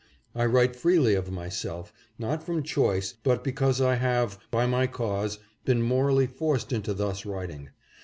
I write freely of myself, not from choice, but because I have, by my cause, been morally forced into thus writing.